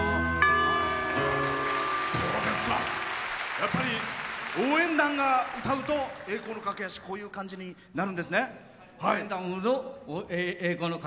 やっぱり応援団が歌うと「栄光の架橋」こういう感じになるんですか？